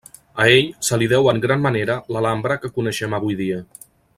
A ell se li deu en gran manera l'Alhambra que coneixem avui dia.